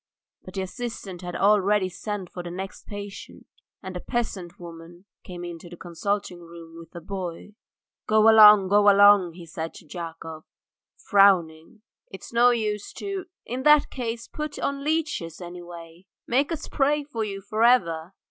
But the assistant had already sent for the next patient, and a peasant woman came into the consulting room with a boy. "Go along! go along," he said to Yakov, frowning. "It's no use to " "In that case put on leeches, anyway! Make us pray for you for ever."